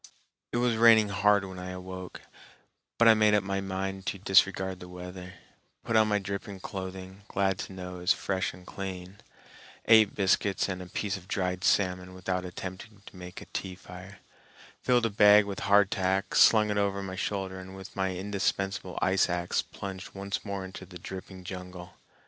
It was raining hard when I awoke, but I made up my mind to disregard the weather, put on my dripping clothing, glad to know it was fresh and clean; ate biscuits and a piece of dried salmon without attempting to make a tea fire; filled a bag with hardtack, slung it over my shoulder, and with my indispensable ice axe plunged once more into the dripping jungle.